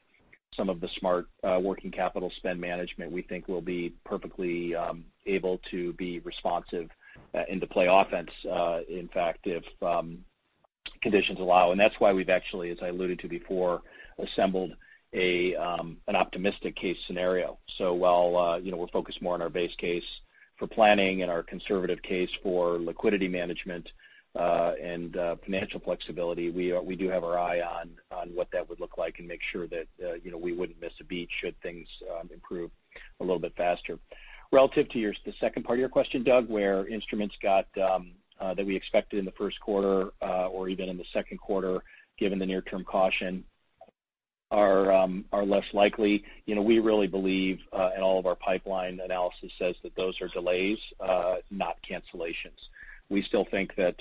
some of the smart working capital spend management, we think we'll be perfectly able to be responsive and to play offense, in fact, if conditions allow. And that's why we've actually, as I alluded to before, assembled an optimistic case scenario. So while we're focused more on our base case for planning and our conservative case for liquidity management and financial flexibility, we do have our eye on what that would look like and make sure that we wouldn't miss a beat should things improve a little bit faster. Relative to the second part of your question, Doug, where the instruments that we expected in first quarter or even in the second quarter, given the near-term caution, are less likely, we really believe, and all of our pipeline analysis says that those are delays, not cancellations. We still think that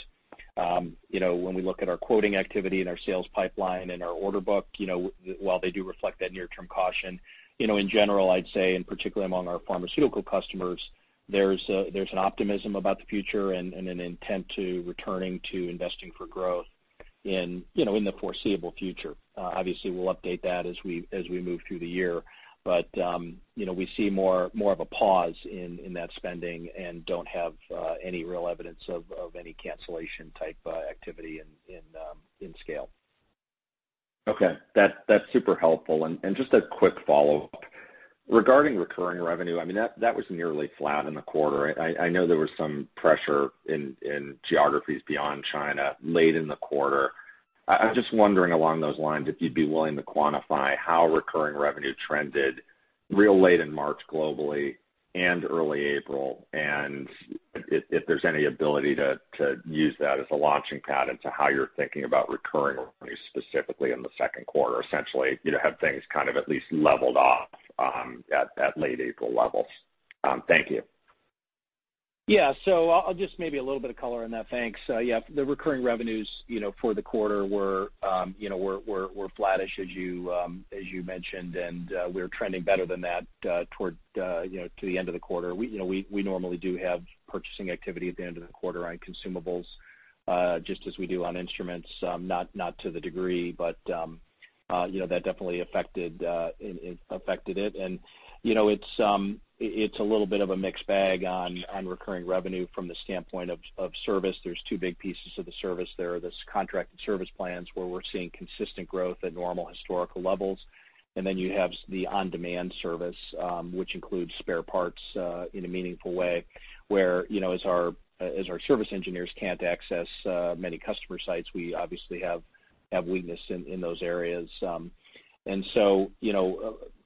when we look at our quoting activity and our sales pipeline and our order book, while they do reflect that near-term caution, in general, I'd say, and particularly among our pharmaceutical customers, there's an optimism about the future and an intent to returning to investing for growth in the foreseeable future. Obviously, we'll update that as we move through the year. But we see more of a pause in that spending and don't have any real evidence of any cancellation-type activity in scale. Okay. That's super helpful. And just a quick follow-up. Regarding recurring revenue, I mean, that was nearly flat in the quarter. I know there was some pressure in geographies beyond China late in the quarter. I'm just wondering along those lines if you'd be willing to quantify how recurring revenue trended real late in March globally and early April and if there's any ability to use that as a launching pad into how you're thinking about recurring revenue specifically in the second quarter. Essentially, have things kind of at least leveled off at late April levels? Thank you. Yeah. So I'll just maybe a little bit of color on that. Thanks. Yeah. The recurring revenues for the quarter were flat, as you mentioned, and we're trending better than that toward the end of the quarter. We normally do have purchasing activity at the end of the quarter on consumables, just as we do on instruments, not to the degree, but that definitely affected it. And it's a little bit of a mixed bag on recurring revenue from the standpoint of service. There's two big pieces of the service. There are these contracted service plans where we're seeing consistent growth at normal historical levels. And then you have the on-demand service, which includes spare parts in a meaningful way, whereas our service engineers can't access many customer sites, we obviously have weakness in those areas. And so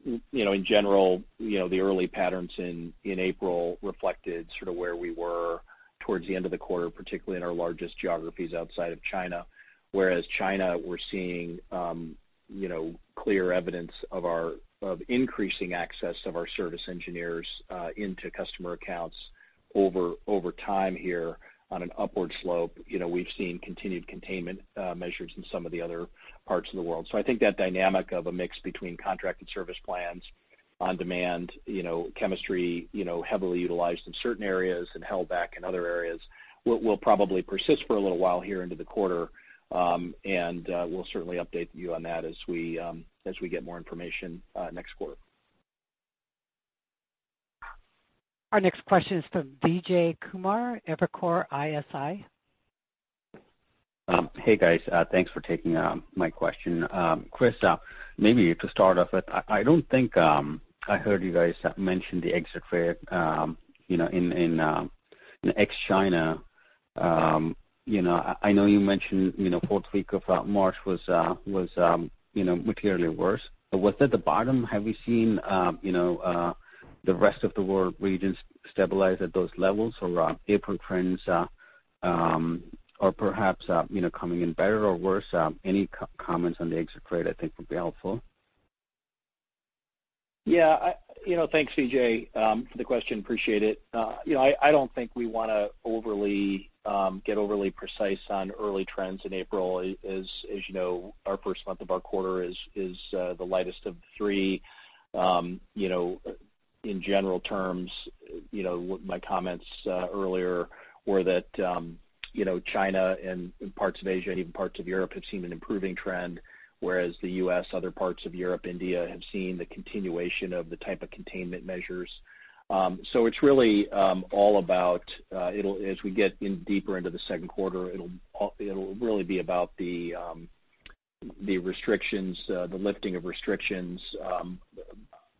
in general, the early patterns in April reflected sort of where we were towards the end of the quarter, particularly in our largest geographies outside of China. Whereas China, we're seeing clear evidence of increasing access of our service engineers into customer accounts over time here on an upward slope. We've seen continued containment measures in some of the other parts of the world. So I think that dynamic of a mix between contracted service plans, on-demand, chemistry heavily utilized in certain areas and held back in other areas will probably persist for a little while here into the quarter. And we'll certainly update you on that as we get more information next quarter. Our next question is from Vijay Kumar, Evercore ISI. Hey, guys. Thanks for taking my question. Chris, maybe to start off with, I don't think I heard you guys mention the exit rate in ex-China. I know you mentioned fourth week of March was materially worse. Was that the bottom? Have we seen the rest of the world regions stabilize at those levels or April trends or perhaps coming in better or worse? Any comments on the exit rate, I think, would be helpful. Yeah. Thanks, Vijay, for the question. Appreciate it. I don't think we want to get overly precise on early trends in April. As you know, our first month of our quarter is the lightest of the three. In general terms, my comments earlier were that China and parts of Asia and even parts of Europe have seen an improving trend, whereas the U.S., other parts of Europe, India have seen the continuation of the type of containment measures. So it's really all about, as we get deeper into the second quarter, it'll really be about the restrictions, the lifting of restrictions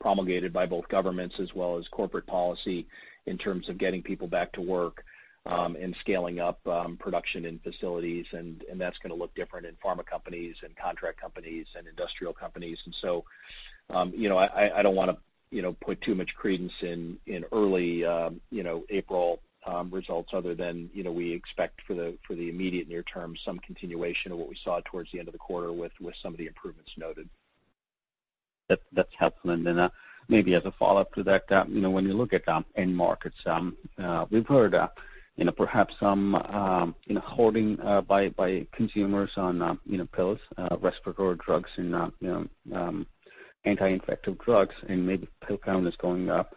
promulgated by both governments as well as corporate policy in terms of getting people back to work and scaling up production in facilities, and that's going to look different in pharma companies and contract companies and industrial companies. And so I don't want to put too much credence in early April results other than we expect for the immediate near-term some continuation of what we saw towards the end of the quarter with some of the improvements noted. That's helpful. And then maybe as a follow-up to that, when you look at end markets, we've heard perhaps some holding by consumers on pills, respiratory drugs, and anti-infective drugs, and maybe pill count is going up.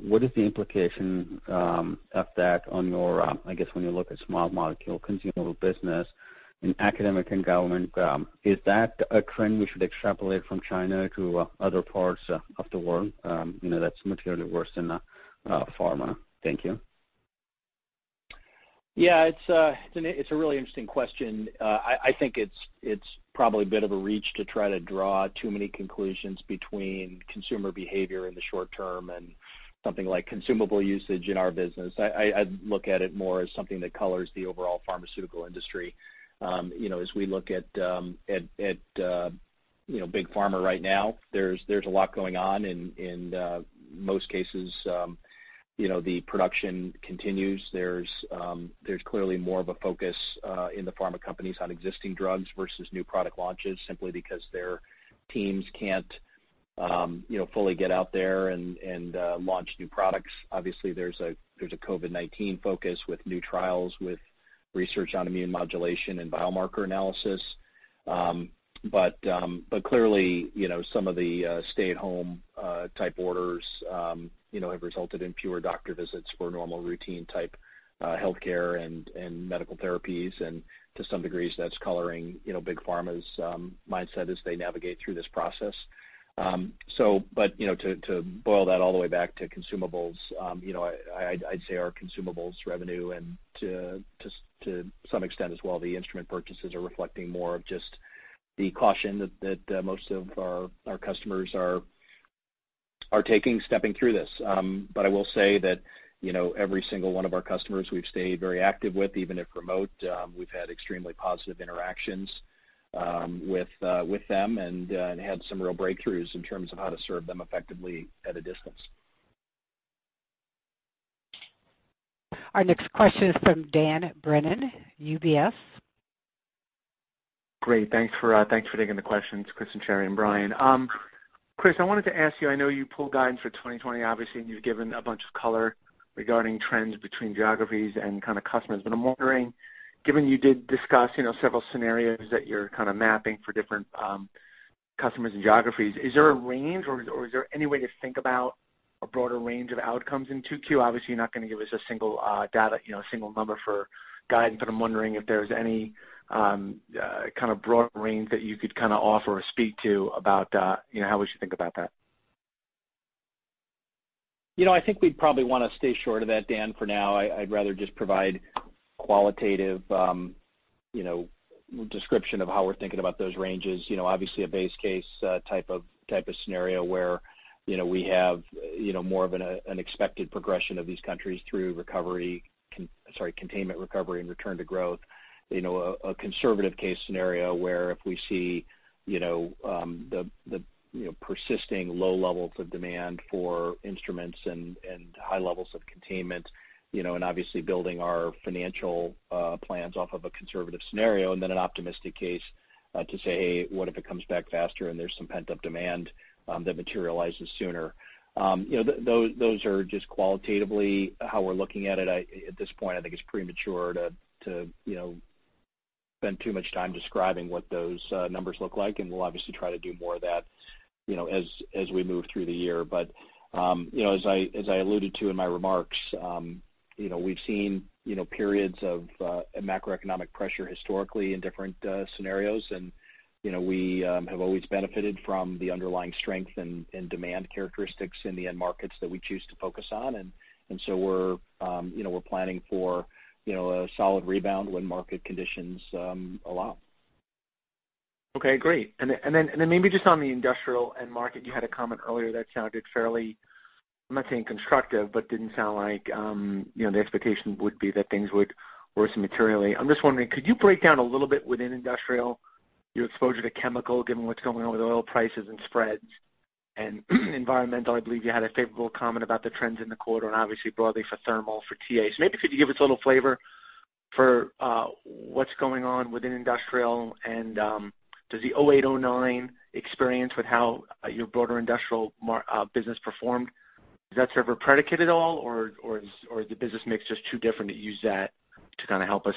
What is the implication of that on your, I guess, when you look at small molecule consumer business in academic and government? Is that a trend we should extrapolate from China to other parts of the world that's materially worse than pharma? Thank you. Yeah. It's a really interesting question. I think it's probably a bit of a reach to try to draw too many conclusions between consumer behavior in the short term and something like consumable usage in our business. I look at it more as something that colors the overall pharmaceutical industry. As we look at big pharma right now, there's a lot going on. In most cases, the production continues. There's clearly more of a focus in the pharma companies on existing drugs versus new product launches simply because their teams can't fully get out there and launch new products. Obviously, there's a COVID-19 focus with new trials with research on immune modulation and biomarker analysis. But clearly, some of the stay-at-home type orders have resulted in fewer doctor visits for normal routine-type healthcare and medical therapies. And to some degree, that's coloring big pharma's mindset as they navigate through this process. But to boil that all the way back to consumables, I'd say our consumables revenue and to some extent as well, the instrument purchases are reflecting more of just the caution that most of our customers are taking stepping through this. But I will say that every single one of our customers we've stayed very active with, even if remote, we've had extremely positive interactions with them and had some real breakthroughs in terms of how to serve them effectively at a distance. Our next question is from Dan Brennan, UBS. Great. Thanks for taking the questions, Chris, and Sherry, and Bryan. Chris, I wanted to ask you. I know you pulled guidance for 2020, obviously, and you've given a bunch of color regarding trends between geographies and kind of customers. But I'm wondering, given you did discuss several scenarios that you're kind of mapping for different customers and geographies, is there a range or is there any way to think about a broader range of outcomes in 2Q? Obviously, you're not going to give us a single data, a single number for guidance, but I'm wondering if there's any kind of broader range that you could kind of offer or speak to about how we should think about that? I think we'd probably want to stay short of that, Dan, for now. I'd rather just provide qualitative description of how we're thinking about those ranges. Obviously, a base case type of scenario where we have more of an expected progression of these countries through recovery, sorry, containment recovery and return to growth. A conservative case scenario where if we see the persisting low levels of demand for instruments and high levels of containment and obviously building our financial plans off of a conservative scenario, and then an optimistic case to say, "Hey, what if it comes back faster and there's some pent-up demand that materializes sooner?" Those are just qualitatively how we're looking at it. At this point, I think it's premature to spend too much time describing what those numbers look like. And we'll obviously try to do more of that as we move through the year. But as I alluded to in my remarks, we've seen periods of macroeconomic pressure historically in different scenarios. And we have always benefited from the underlying strength and demand characteristics in the end markets that we choose to focus on. And so we're planning for a solid rebound when market conditions allow. Okay. Great. And then maybe just on the industrial end market, you had a comment earlier that sounded fairly. I'm not saying constructive, but didn't sound like the expectation would be that things would worsen materially. I'm just wondering, could you break down a little bit within industrial, your exposure to chemical, given what's going on with oil prices and spreads and environmental? I believe you had a favorable comment about the trends in the quarter and obviously broadly for thermal, for TA. So maybe could you give us a little flavor for what's going on within industrial and does the 2008/2009 experience with how your broader industrial business performed serve as precedent at all, or is the business mix just too different to use that to kind of help us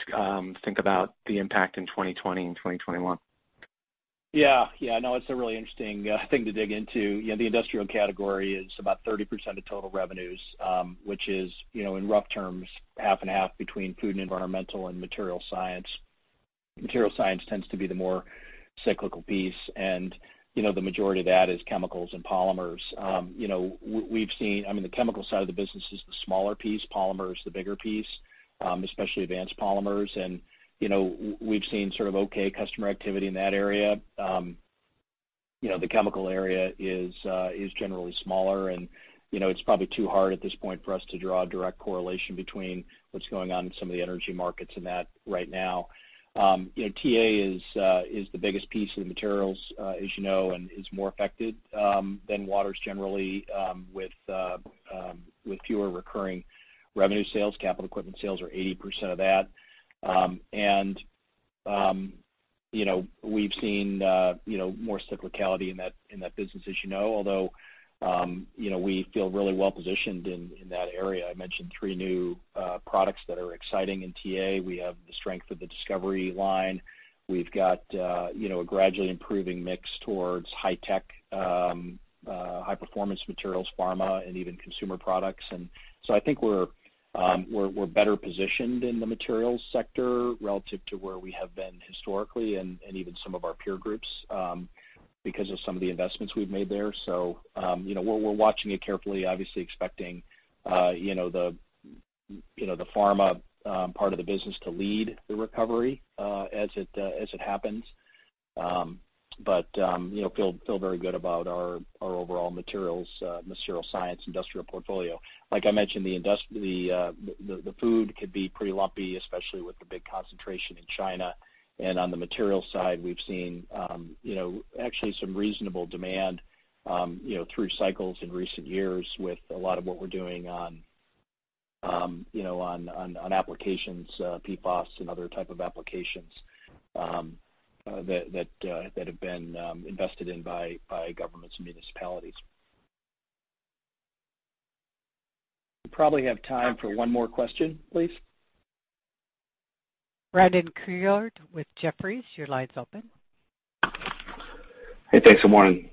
think about the impact in 2020 and 2021? Yeah. Yeah. No, it's a really interesting thing to dig into. The industrial category is about 30% of total revenues, which is in rough terms half and half between food and environmental and material science. Material science tends to be the more cyclical piece, and the majority of that is chemicals and polymers. We've seen, I mean, the chemical side of the business is the smaller piece, polymers the bigger piece, especially advanced polymers. And we've seen sort of okay customer activity in that area. The chemical area is generally smaller, and it's probably too hard at this point for us to draw a direct correlation between what's going on in some of the energy markets in that right now. TA is the biggest piece of the materials, as you know, and is more affected than Waters generally with fewer recurring revenue sales. Capital equipment sales are 80% of that. And we've seen more cyclicality in that business, as you know, although we feel really well-positioned in that area. I mentioned three new products that are exciting in TA. We have the strength of the Discovery line. We've got a gradually improving mix towards high-tech, high-performance materials, pharma, and even consumer products. And so I think we're better positioned in the materials sector relative to where we have been historically and even some of our peer groups because of some of the investments we've made there. So we're watching it carefully, obviously expecting the pharma part of the business to lead the recovery as it happens. But feel very good about our overall materials science industrial portfolio. Like I mentioned, the food could be pretty lumpy, especially with the big concentration in China. And on the materials side, we've seen actually some reasonable demand through cycles in recent years with a lot of what we're doing on applications, PFAS, and other types of applications that have been invested in by governments and municipalities. We probably have time for one more question, please. Brandon Couillard with Jefferies. Your line's open. Hey, thanks. Good morning.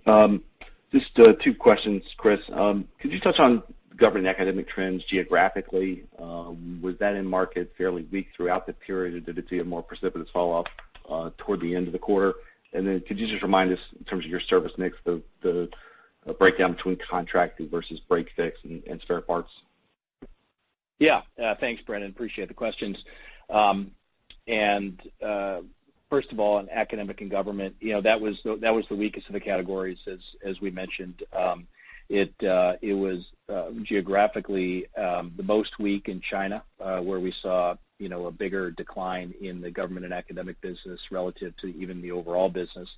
Just two questions, Chris. Could you touch on global academic trends geographically? Was that end market fairly weak throughout the period, or did it see a more precipitous falloff toward the end of the quarter? And then could you just remind us in terms of your service mix, the breakdown between contracting versus break-fix and spare parts? Yeah. Thanks, Brandon. Appreciate the questions. And first of all, in academic and government, that was the weakest of the categories, as we mentioned. It was geographically the most weak in China, where we saw a bigger decline in the government and academic business relative to even the overall business.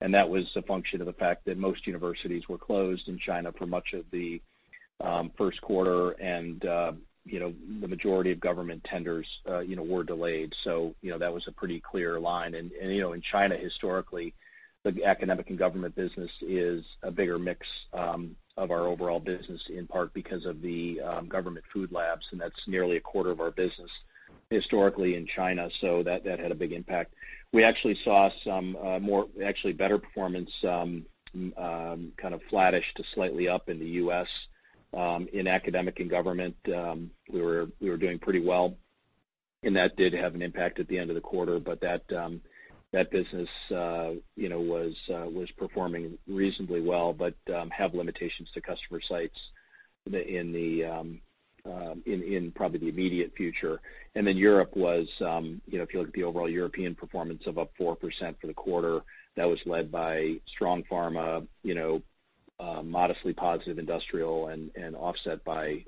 And that was a function of the fact that most universities were closed in China for much of first quarter, and the majority of government tenders were delayed. So that was a pretty clear line. And in China, historically, the academic and government business is a bigger mix of our overall business in part because of the government food labs, and that's nearly a quarter of our business historically in China. So that had a big impact. We actually saw some better performance kind of flattish to slightly up in the US. In academic and government, we were doing pretty well, and that did have an impact at the end of the quarter. But that business was performing reasonably well but have limitations to customer sites in probably the immediate future. And then Europe was, if you look at the overall European performance of up 4% for the quarter, that was led by strong pharma, modestly positive industrial, and offset by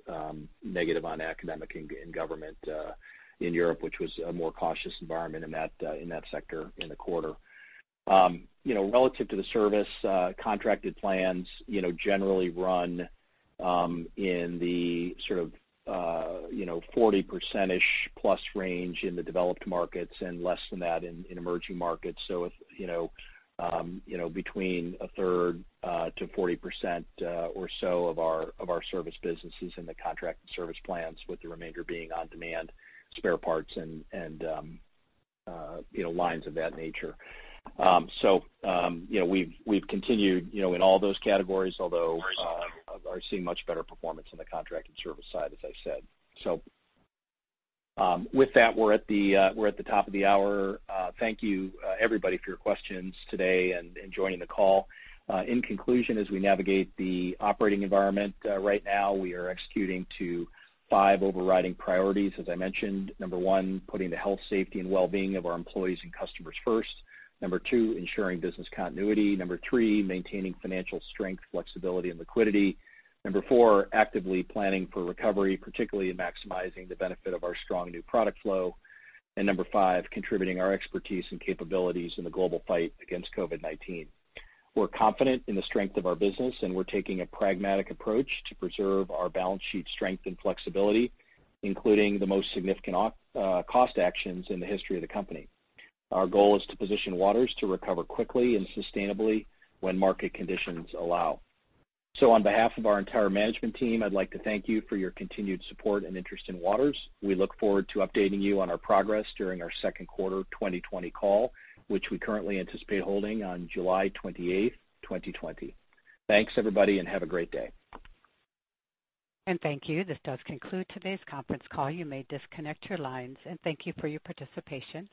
negative on academic and government in Europe, which was a more cautious environment in that sector in the quarter. Relative to the service, contracted plans generally run in the sort of 40%-ish plus range in the developed markets and less than that in emerging markets. So between a third to 40% or so of our service businesses in the contracted service plans, with the remainder being on-demand spare parts and lines of that nature. So we've continued in all those categories, although are seeing much better performance on the contracted service side, as I said. So with that, we're at the top of the hour. Thank you, everybody, for your questions today and joining the call. In conclusion, as we navigate the operating environment right now, we are executing to five overriding priorities, as I mentioned. Number one, putting the health, safety, and well-being of our employees and customers first. Number two, ensuring business continuity. Number three, maintaining financial strength, flexibility, and liquidity. Number four, actively planning for recovery, particularly in maximizing the benefit of our strong new product flow. And number five, contributing our expertise and capabilities in the global fight against COVID-19. We're confident in the strength of our business, and we're taking a pragmatic approach to preserve our balance sheet strength and flexibility, including the most significant cost actions in the history of the company. Our goal is to position Waters to recover quickly and sustainably when market conditions allow. On behalf of our entire management team, I'd like to thank you for your continued support and interest in Waters. We look forward to updating you on our progress during our second quarter 2020 call, which we currently anticipate holding on July 28th, 2020. Thanks, everybody, and have a great day. And thank you. This does conclude today's conference call. You may disconnect your lines, and thank you for your participation.